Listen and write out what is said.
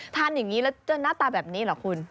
ทานอย่างนี้แล้วจะหน้าตาแบบนี้เหรอคุณ